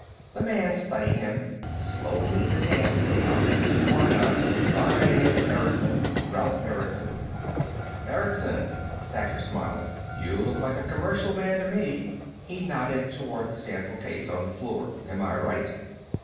The man studied him. Slowly his hand came out. "Why not? My name's Erickson. Ralf Erickson." "Erickson?" Thacher smiled. "You look like a commercial man, to me." He nodded toward the sample case on the floor. "Am I right?"